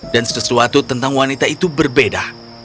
dan sesuatu tentang wanita itu berbeda